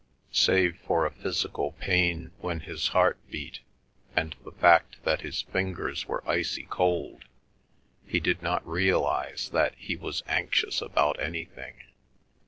Save for a physical pain when his heart beat, and the fact that his fingers were icy cold, he did not realise that he was anxious about anything.